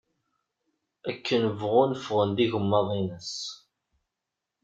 Akken bɣun ffɣen-d yigemmaḍ-ines.